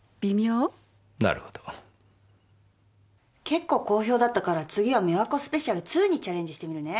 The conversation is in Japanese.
結構好評だったから次は美和子スペシャル２にチャレンジしてみるね。